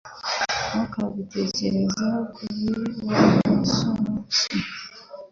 Ntukabitekerezeho kabiri Wa musoreasi